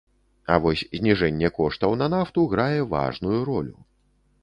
А вось зніжэнне коштаў на нафту грае важную ролю.